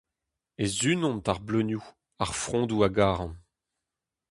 E sunont ar bleunioù, ar frondoù a garan.